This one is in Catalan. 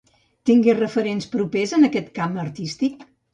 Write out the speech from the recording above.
Tingué referents propers en aquest camp artístic?